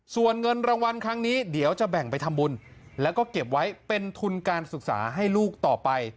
ส่วนเงินรางวัลครั้งนี้เดี๋ยวจะแบ่งไปทำบุญแล้วก็เก็บไว้เป็นทุนการศึกษาให้ลูกต่อไป